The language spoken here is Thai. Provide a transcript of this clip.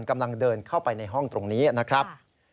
กำลังเดินเข้าไปในห้องตรงนี้นะครับ